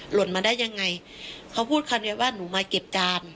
หล่นมาได้ยังไงเขาพูดคำเดียวว่าหนูมาเก็บจาน